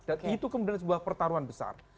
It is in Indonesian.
dan itu kemudian sebuah pertarungan besar